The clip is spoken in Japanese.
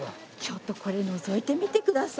ちょっとこれのぞいてみてください。